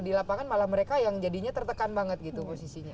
di lapangan malah mereka yang jadinya tertekan banget gitu posisinya